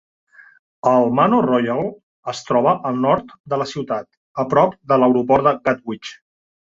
El Manor Royal es troba al nord de la ciutat, a prop de l'aeroport de Gatwick.